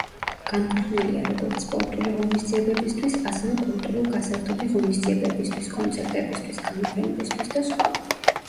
განკუთვნილია როგორც სპორტული ღონისძიებებისთვის, ასევე კულტურულ-გასართობი ღონისძიებებისთვის, კონცერტებისთვის, გამოფენებისთვის და სხვა.